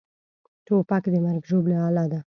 توپک د مرګ ژوبلې اله ده.